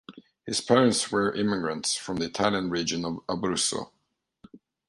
His parents were immigrants from the Italian region of Abruzzo.